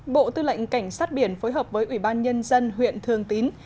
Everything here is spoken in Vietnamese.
bộ tư lệnh cảnh sát biển phối hợp với ủy ban nhân dân huyện thường tín